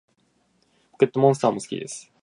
ポケットモンスターも好きです